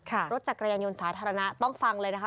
รถจักรยานยนต์สาธารณะต้องฟังเลยนะคะ